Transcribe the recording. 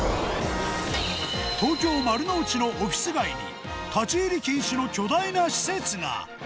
東京・丸の内のオフィス街に、立ち入り禁止の巨大な施設が。